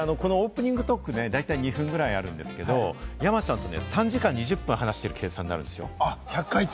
このオープニングトーク、大体２分ぐらいあるんですけれども、山ちゃんと３時間２０分ぐらい話してることになるんですよ。